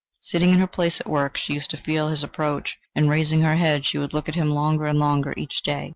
Sitting in her place at work, she used to feel his approach; and raising her head, she would look at him longer and longer each day.